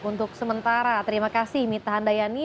untuk sementara terima kasih mita handayani